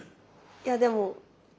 いやでも。